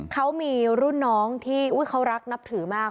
เขามีรุ่นน้องที่เขารักนับถือมาก